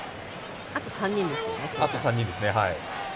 あと３人ですよね。